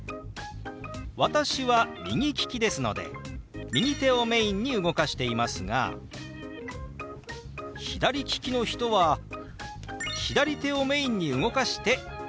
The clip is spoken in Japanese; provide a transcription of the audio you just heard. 私は右利きですので右手をメインに動かしていますが左利きの人は左手をメインに動かしてＯＫです。